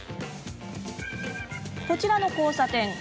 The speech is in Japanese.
こちらの交差点。